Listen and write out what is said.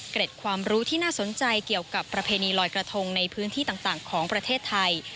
ความรู้ที่น่าสนใจเกี่ยวกับประเพณีลอยกระทงในพื้นที่ต่างของประเทศไทย